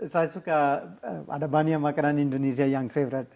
saya suka ada banyak makanan indonesia yang favorit